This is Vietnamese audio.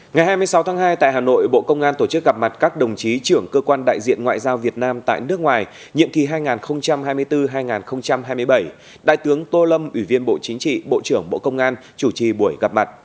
ngày hai mươi sáu tháng hai tại hà nội bộ công an tổ chức gặp mặt các đồng chí trưởng cơ quan đại diện ngoại giao việt nam tại nước ngoài nhiệm kỳ hai nghìn hai mươi bốn hai nghìn hai mươi bảy đại tướng tô lâm ủy viên bộ chính trị bộ trưởng bộ công an chủ trì buổi gặp mặt